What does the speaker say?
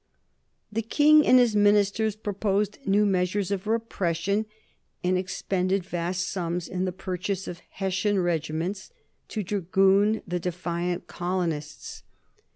The King and his ministers proposed new measures of repression and expended vast sums in the purchase of Hessian regiments to dragoon the defiant colonists.